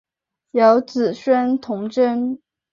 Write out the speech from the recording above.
有子孙同珍。